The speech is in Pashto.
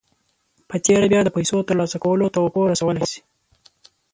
په تېره بیا د پیسو ترلاسه کولو توقع رسولای شئ